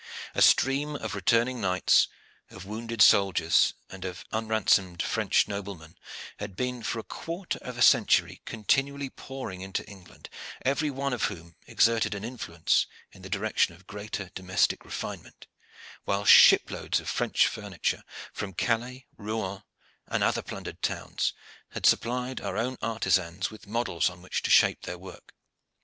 A stream of returning knights, of wounded soldiers, and of unransomed French noblemen, had been for a quarter of a century continually pouring into England, every one of whom exerted an influence in the direction of greater domestic refinement, while shiploads of French furniture from Calais, Rouen, and other plundered towns, had supplied our own artisans with models on which to shape their work.